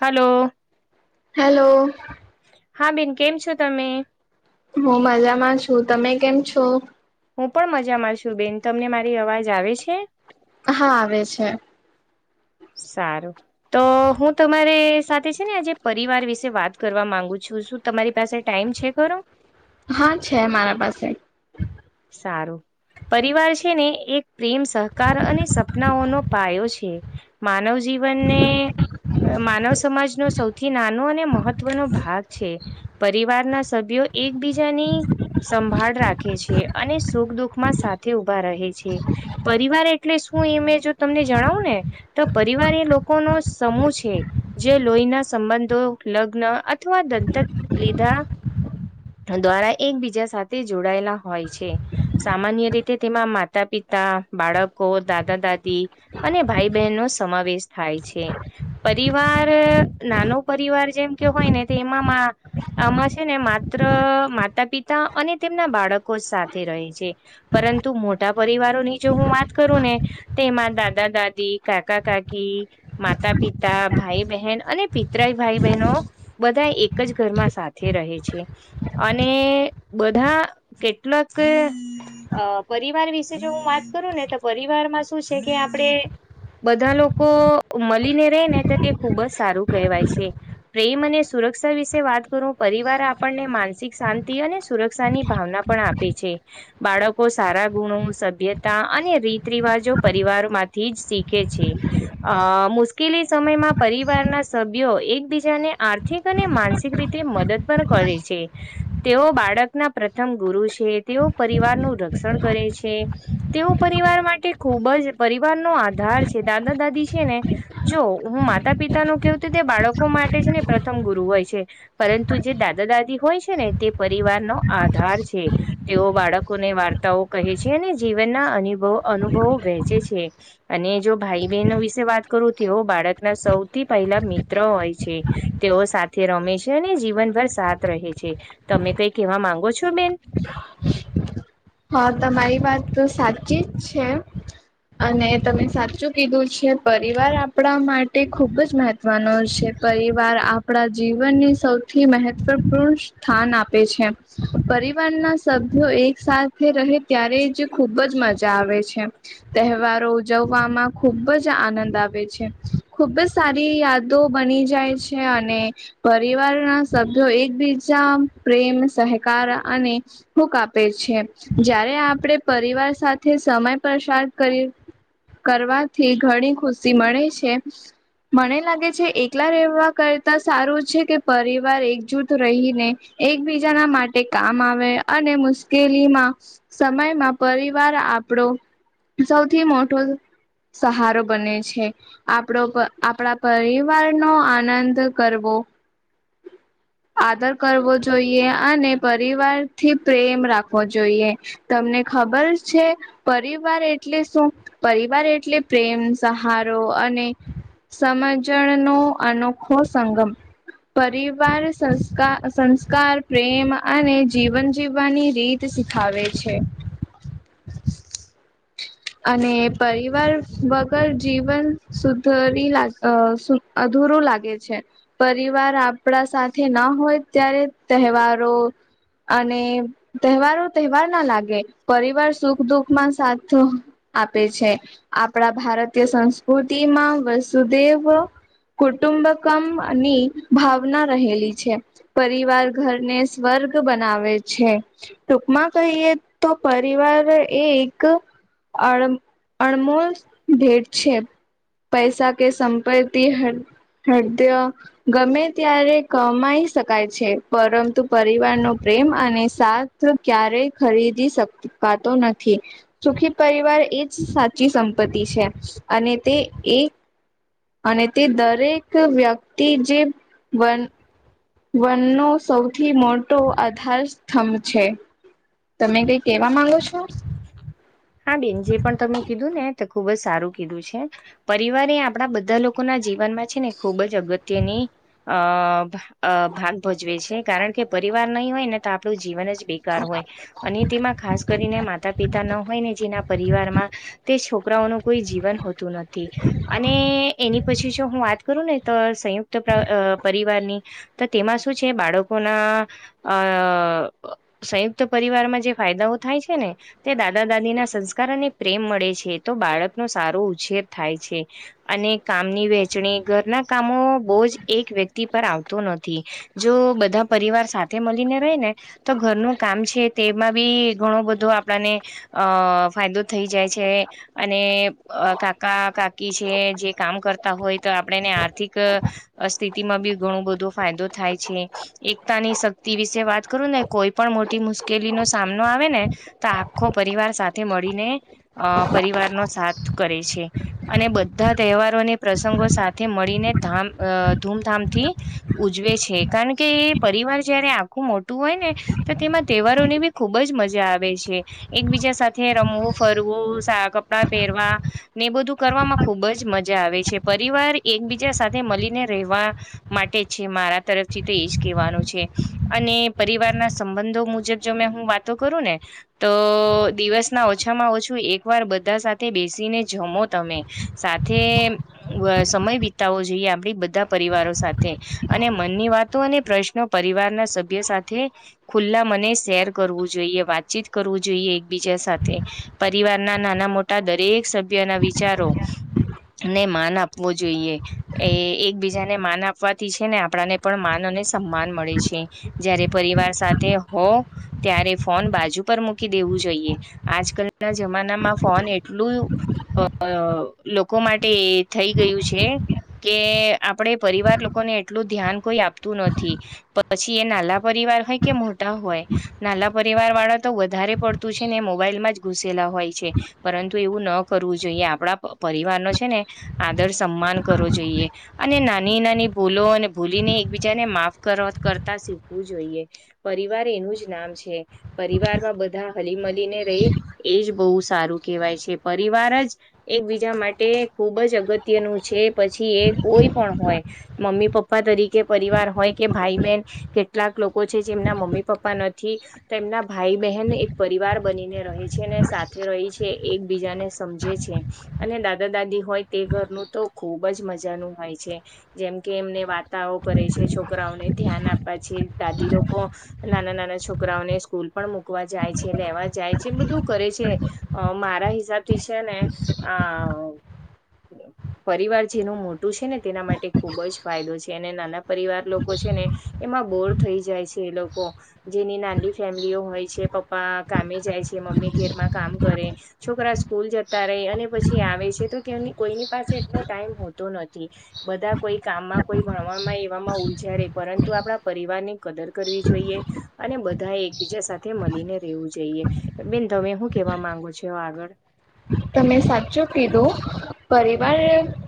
Hello. Hello. હા બેન કેમ છો તમે? હું મજામાં છું તમે કેમ છો? હું પણ મજા મામાં છું બેન તમને મારી અવાજ આવે છે? હા આવે છે. સારું. તો હું તમારે સાથે છે ને આજે પરિવાર વિશે વાત કરવા માંગુ છું શું. તમારી પાસે ટાઈમ છે ખરો? હા છે મારા પાસે. સારું. પરિવાર છે ને એક પ્રેમ સહકાર અને સપનાઓનો પાયો છે. માનવ જીવનને માનવ સમાજનો સૌથી નાનો અને મહત્વનો ભાગ છે. પરિવારના સભ્યો એકબીજાની સંભાળ રાખે છે. અને સુખ દુઃખ માં સાથે ઉભા રહે છે. પરિવાર એટલે શું એ મેં જો તમને જણાવું ને તો પરિવાર એ લોકો નો સમૂહ છે. જે લોહીના સંબંધો લગ્ન અથવા દંતક લીધા દ્વારા એકબીજા સાથે જોડાયેલા હોય. છે સામાન્ય રીતે તેમાં માતા પિતા બાળકો દાદા દાદી. અને ભાઈ બહેન નો સમાવેશ થાય છે. પરિવાર નાનો પરિવાર જેમ કે હોય ને એમાંમાં. અમા છે ને માત્ર માતા-પિતા અને તેમના બાળકો જ સાથે રહે છે. પરંતુ મોટા પરિવારો ની જો હું વાત કરું ને તેમાં દાદા-દાદી, કાકા-કાકી માતા-પિતા, ભાઈ-બહેન અને પિતરાય ભાઈ બહેનો બધા એક જ ઘરમાં સાથે રહે છે. અને બધા કેટલાક અ પરિવાર વિશે જો હું વાત કરું ને તો પરિવારમાં શું છે કે આપણે બધા લોકો મળીને રે ને તો તે ખૂબ જ સારું કહેવાય છે. પ્રેમ અને સુરક્ષા વિશે વાત કરો પરિવાર આપણને માનસિક શાંતિ અને સુરક્ષાની ભાવના પણ આપે પી છે. બાળકો સારા ગુણો, સભ્યતા અને રીત રિવાજો પરિવારમાંથી જ શીખે છે. અ મુશ્કેલી સમયમાં પરિવારના સભ્યો એકબીજાને આર જે તને માનસિક રીતે મદદ પણ કરે છે. તેઓ બાળકના પ્રથમ ગુરુ છે. જે તેઓ પરિવાર નું રક્ષણ કરે છે. તેઓ પરિવાર માટે ખૂબ જ પરિવારનો આધાર છે. દાદા-દાદી છે. ને જો હું માતા-પિતાનું કહું તે બાળકો માટે છે. ને પ્રથમ ગુરુ હોય છે. પરંતુ જે દાદા-દાદી હોય છે ને તે પરિવારનો આધાર છે. તેઓ બાળકોને વાર્તાઓ કહે છે અને જીવનના અનીભો અનુભવો વહેંચે છે. અને જો ભાઈ બહેનો વિશે વાત કરું તેઓ બાળકના સૌથી પહેલા મિત્ર હોય છે. તેઓ સાથે રમે છે અને જીવનભર સાથ રહે છે. તમે કઈ કેવા માંગો છો બેન? હા તમારી વાત તો સાચી જ છે. અને તમે સાચું કીધું છે પરિવાર આપણા માટે ખુબ જ મહત્વ મા નો છે પરિવાર આપણા જીવનની સૌથી મહત્વપૂર્ણ સ્થાન આપે છે પરિવારના સભ્યો એકસાથ તે રહે ત્યારે જ ખુબ જ મજા આવે છે. તહેવારો ઉજવવામાં ખુબ જ આનંદ આવે છે. ખુબ જ સારી યાદો બની જાય છે. અને પરિવારના સભ્યો એકબીજા પ્રેમ સહકાર અને હુક આપે છે. જ્યારે આપણે પરિવાર સાથે સમય પસાર કરી કરવાથી ઘણી ખુશી મળે છે. મને લાગે છે એકલા રહેવા કરતા સારું છે. કે પરિવાર એકજૂથ રહીને એકબીજાના માટે કામ આવે અને મુશ્કેલીમાં સમયમાં પરિવાર આપણો સૌથી મોટો સહારો બને છે. આપડો પ આપડા પરિવાર નો આનંદ કરવો. આદર કરવો જોઈએ અને પરિવાર થી પ્રેમ રાખવો. જોઈએ તમને ખબર છે. પરિવાર એટલે શું પરિવાર એટલે પ્રેમ સહારો અને સમજણનો અનોખો સંગમ પરિવાર સંસ્કા સંસ્કાર પ્રેમ અને જીવન જીવવાની રીત તે શીખાવે છે. અને પરિવાર વગર જીવન સુધરી લાગ અહ. અધૂરું લાગે છે. પરિવાર આપડા સાથે ના હોય ત્યારે તહેવારો અને તહેવારો તહેવાર ના લાગે પરિવાર સુખ દુઃખમાં સાથો આપે છે, આપડા ભારતીય સંસ્કૃતિમાં વસુદેવ કુટુંબકમની ભાવના રહેલી છે, પરિવાર ઘરને સ્વર્ગ બનાવે છે, ટૂંકમાં કહીએ તો પરિવાર એ એક અડમ અણમોલ ભેટ છે, પૈસા કે સંપત્તિ હડ હૃદય ગમે ત્યારે કમાઈ શકાય છે, પરંતુ પરિવારનો પ્રેમ અને સાથ ક્યારે ખરીદી શક કતો નથી, સુખી પરિવાર એજ સાચી સંપત્તિ છે, અને તે એ અને તે દરેક વ્યક્તિ જે બન વન નો સૌથી મોટો આધાર સ્તંભ છે, તમે કઈ કેવા માંગો છો. હા બેન જે પણ તમે કીધું ને ખુબ જ સારું કીધું છે, પરિવાર એ આપણા બધા લોકો ના જીવનમાં છે ને ખુબ જ અગત્યની. અહ ભા અહ ભાગ ભજવે છે, કારણ કે પરિવાર નહીં હોય ને તો આપણું જીવન જ બેકાર હોય અને તેમાં ખાસ કરીને મા માતા પિતા ન હોય ને જેના પરિવારમાં તે છોકરાઓનું કોઈ જીવન હોતું નથી. અને એની પછી જો હું વાત કરું ને તો સંયુક્ત પ અહ પરિવારની તો તેમાં શું છે, બાળકોના અઅઅહ સંયુક્ત પરિવારમાં જે ફાયદાઓ થાય છે ને તે દાદા દાદી ના સંસ્કાર અને પ્રેમ મળે છે, તો બાળકનો સારો ઉછેર થાય છે. અને કામની વહેચણી ઘરના કામો બોજ એક વ્યક્તિ પર આવતો નથી. જો બધા પરિવાર સાથે મળીને રેયને. તો ઘરનું કામ છે, તેમાં બી ઘણો બધો આપ આપણાને અહ ફાયદો થઈ જાય છે. અને અહ કાકા કાકી છે, જે કામ કરતા હોય તો આપણેને આર્થિક અસ્થિતિ માં બી ઘણો બધો ફાયદો થાય છે. એકતાની શક્તિ વિશે વાત કરું ને કોઈ પણ મોટી મુશ્કેલીનો સામનો આવેને તો આખો પરિવાર સાથે મળીને અ પરિવારનો સાથ કરે છે. અને બધા તહેવારોને પ્રસંગો સાથે મળીને ધામ અહ ધૂમધામથી ઉજવે છે, કારણ કે એ પરિવાર જયારે આખું મોટું હોય ને તો તેમાં તહેવારોની બી ખુબજ મજા આવે છે. એકબીજા સાથે રમવું ફરવું સાયા કપડા પહેરવા. ને બધું કરવામાં ખૂબ જ મજા આવે છે, પરિવાર એકબીજા સાથે મલીને રહેવા. માટે જ છે, મારા તરફથી તો એજ કેવાનું છે. અને પરિવારના સંબંધો મુજબ જો મેં હું વાતો કરૂને. તો દિવસના ઓછામાં ઓછું એક વાર બધા સાથે બેસીને જમો તમે. સાથે અ સમય વિતાવો જોઈએ આપડી બધા પરિવારો સાથે અને મનની વાતો અને પ્રશ્નો પરિવારના સભ્ય સાથે ખુલ્લા મને શેર કરવું જોઈએ વાતચીત કરવું જોઈએ એકબીજા સાથે પરિવારના નાના મોટા દરેક સભ્યના વિચારો ને માન આપવો જોઈએ. એ એકબીજાને માન આપવાથી છે, ને આપણાને પણ માન અને સન્માન મળે છે. જય્યારે પરિવાર સાથે હો ત્યારે ફોન બાજુ ઉપર મૂકી દેવું જોઈએ. આજ કલના જમાનામાં ફોન એટલું. અઅઅહ લોકો માટે થઈ ગયું છે. કે આપણેે પરિવાર લોકોને એટલું ધ્યાન કોઈ આપતું નથી. પછી એ નાલા પરિવાર હોય કે મોટા હોય નાલા પરિવાર વાળા તો વધારે પડતું છે ને એ મોબાઈલમાં જ ઘુસેલા હોય છે. પરંતુ એવું ન કરવું જોઈએ આપણા અ પરિવાર નો છે ને આદર સન્માન કરવો જોઈએ. અને નાની નાની ભૂલો અને ભૂલીને એકબીજાને માફ કરવા કરતા શીખવું જોઈએ. પરિવાર એનું જ નામ છે પરિવાર. બધા હલીમલીને રહી એજ બહુ સારું કેહેવાય છે પરિવાર જ. એકબીજા માટે ખૂબ જ અગત્યનું છે પછી એ કોઈ પણ હોય મમ્મી પપ્પા તરીકે પરિવાર હોય કે ભાઈ બહેન કેટલાક લોકો છે જેમના મમ્મી પપ્પા નથી તો એમના ભાઈ બહેન એક પરિવાર બનીને રહે છે ને સાથે રહી છે એકબીજાને સમજે છે. અને દાદા દાદી હોય તે ઘરનું તો ખુબ જ મજાનું હોય છે. જેમ કે એમને વાર્તાઓ કરે છે છોકરાઓને ધ્યાન આપવા છે દાદી લોકો નાના નાના છોકરાઓને સ્કૂલ પણ મૂકવા જાય છે લેવા જાય છે બધું કરે છે અ મારા હિસાબથી છે ને. હા પરિવાર જેનું મોટું છે ને તેના માટે ખુબ જ ફાયદો છે અને નાના પરિવાર લોકો છે ને એમાં બોર થઈ જાય છે એ લોકો જેની નાની ફેમ લીયો હોય છે પપ્પા કામે જાય છે મમ્મી ઘેરમાં કામ કરે. છોકરા સ્કૂલ જતા રહી અને પછી આવે છે તો ક‌ઇને કોઈની પાસે એટલો ટાઈમ હોતો નથી બધા કોઈ કામમાં કોઈ ભણમાં એવામાં ઉલજયા રે પરંતુ આપણા પરિવાર ની કદર કરવી જોઈએ. અને બધા એક. બીજા સાથે મળીને રહેવું જોઈએ બેન તમે શું કેવા માંગો છો આગળ તમે સાચું કીધું. પરિવાર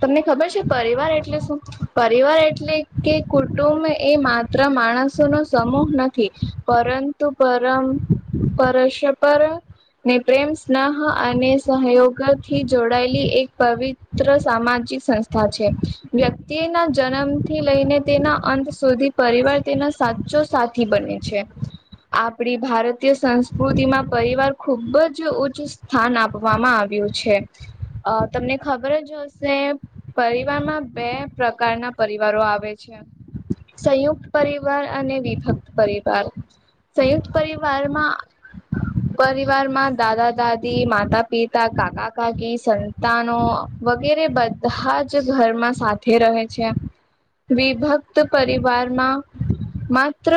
તમને ખબર છે પરિવાર એટલે શું પરિવાર એટલે. કે કુટુંબ એ માત્ર માણસો નો સમૂહ નથી પરંતુ પરમ. પરશપર ને પ્રેમ સ્નાહ અને. સહયોગ થી જોડાયેલી એક પવિત્ર સામાજિક સંસ્થા છે. વ્યક્તિના જન્મ થી લઈને તેના અંત સુધી પરિવાર તેના સાચો સાચ. થી બને છે. આપડી ભારતીય સંસ્કૃતિમાં પરિવાર ખુબ જ ઉચ્ચ સ્થાન આપ. આપવામાં આવ્યું છે અ તમને ખબર જ હશે. પરિવારમાં બે પ્રકારના પરિવારો આવે છે. સંયુક્ત પરિવાર અને વિભક્ત પરિવાર. સંયુક્ત પરિવારમાં પરિવારમાં દાદા દાદી માતા. પિતા કાકા કાકી સંતાનો વગેરે બધા જ ઘરમાં. રહે છે વિભક્ત પરિવારમાં. માત્ર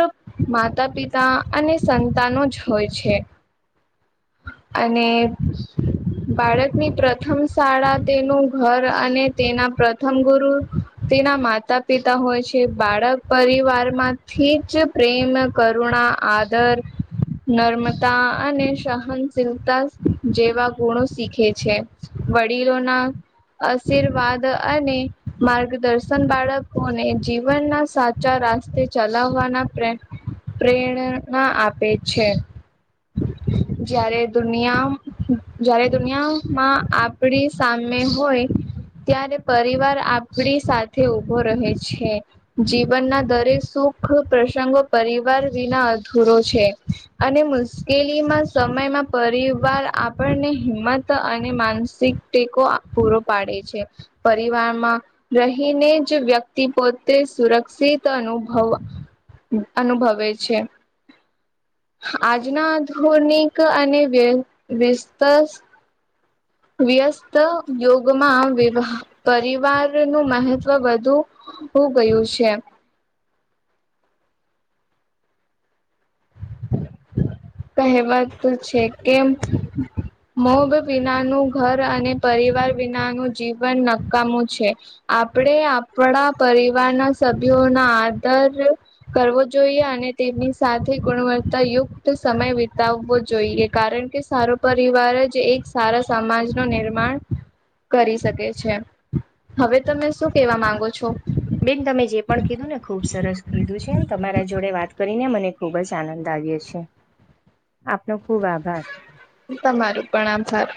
માતા પિતા અને સંતાનો જ હોય છે. અને. બાળકની પ્રથમ શાળા તેનું ઘર અને તેના પ્રથમ ગુરુ તેના માતા પિતા હોય છે બાળક પરિવાર માંથી જ પ્રેમ કરુણા આદર નર્મદા અને શાહ. સહનશીલતા જેવા ગુણો શીખે છે. વડીલોના આશીર્વાદ અને માર્ગદર્શન બાળકોને જીવનના સા ચા રાસ્તે ચલાવવાના પ્રેરણા આપે છે. જયારે દુનિયા જારે દુનિયામાં આપડી સામે હોય. ત્યારે પરિવાર આપડી સાથે ઉભો રહે છે. જીવનના દરેક સુખ પ્રસંગો પરિવાર વિના અધૂરો છે. અને મુશ્કેલી માંજ. સમયમાં પરિવાર આપણને હિંમત અને માનસિક ટેકો. પૂરો પાડે છે પરિવારમાં રહીને જ વ્યક્તિ પોતે સુરક્ષિત અનુભવ. અનુભવે છે. આજના આધુનિક અને વ વ્યસ્ત વ્યસ્ત યુગમાં પરિવાર નું મહત્વ વધુ બ [inaudible] ગયું છે. કહેવાતું છે કેમ? મોગ વિનાનું ઘર અને પરિવાર વિનાનું જીવન નકામું છે. આપણેે આપણા પરિવારના સભ્યોના આદર કરવો જોઈએ, અને તેમની સાથે ગુણવત્તા યુક્ત સમય વિતાવવો જોઈએ કારણ કે સારો પરિવાર જ એક સારા સમાજ ન નિર્માણ કરી શકે છે. હવે તમે શું કેવા માંગો છો? બેન તમે જે પણ કીધું ને ખૂબ સરસ કીધું છેમ તમારા જોડે વાત કરીને મને ખૂબ જ આનંદ આવ્યો છે. આપનો ખુબ આભાર! તમારું પણ આભાર.